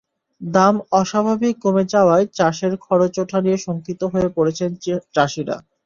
দাম অস্বাভাবিক কমে যাওয়ায় চাষের খরচ ওঠা নিয়ে শঙ্কিত হয়ে পড়েছেন চাষিরা।